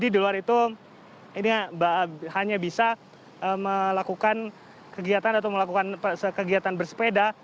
di luar itu ini hanya bisa melakukan kegiatan atau melakukan kegiatan bersepeda